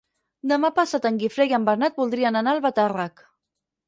Demà passat en Guifré i en Bernat voldrien anar a Albatàrrec.